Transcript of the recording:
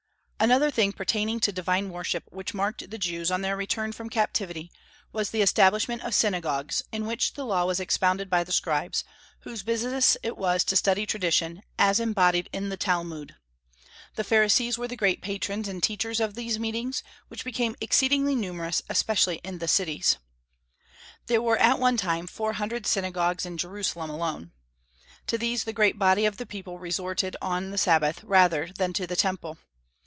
Another thing pertaining to divine worship which marked the Jews on their return from captivity was the establishment of synagogues, in which the law was expounded by the Scribes, whose business it was to study tradition, as embodied in the Talmud. The Pharisees were the great patrons and teachers of these meetings, which became exceedingly numerous, especially in the cities. There were at one time four hundred synagogues in Jerusalem alone. To these the great body of the people resorted on the Sabbath, rather than to the Temple.